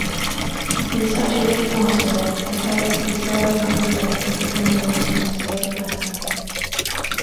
With such a weak password, you’re basically serving up your data to criminals on a silver platter.